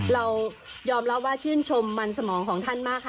เรายอมรับว่าชื่นชมมันสมองของท่านมากค่ะ